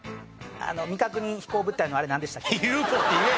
あの未確認飛行物体のあれなんでしたっけ？